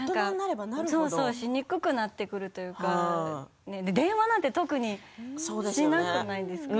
しにくくなるというか電話なんて特にしなくないですか？